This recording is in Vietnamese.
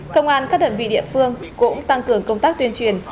công an các đơn vị địa phương cũng tăng cường công tác tuyên truyền